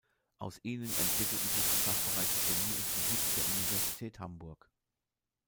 Aus ihnen entwickelten sich die Fachbereiche Chemie und Physik der Universität Hamburg.